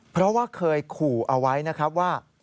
เพราะว่าเคยขู่เอาไว้นะครับว่า